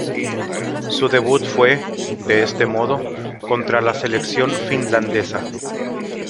Su debut fue, de este modo, contra la selección finlandesa.